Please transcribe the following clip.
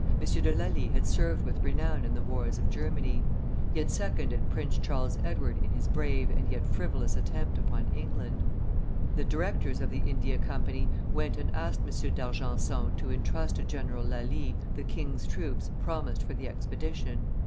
de Lally had served with renown in the wars of Germany; he had seconded Prince Charles Edward in his brave and yet frivolous attempt upon England. The directors of the India Company went and asked M. d'Argenson to intrust to General Lally the king's troops promised for the expedition.